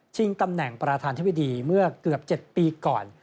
ตำแหน่งประธานธิบดีเมื่อเกือบ๗ปีก่อน